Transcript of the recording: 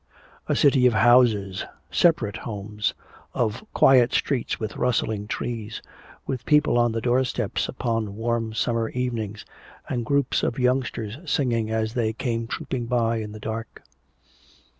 A city of houses, separate homes, of quiet streets with rustling trees, with people on the doorsteps upon warm summer evenings and groups of youngsters singing as they came trooping by in the dark.